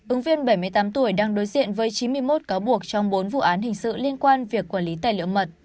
ứng viên bảy mươi tám tuổi đang đối diện với chín mươi một cáo buộc trong bốn vụ án hình sự liên quan việc quản lý tài liệu mật